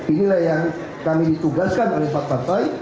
inilah yang kami ditugaskan oleh empat partai